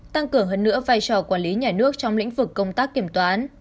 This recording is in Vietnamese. tăng cường hơn nữa vai trò quản lý nhà nước trong lĩnh vực công tác kiểm toán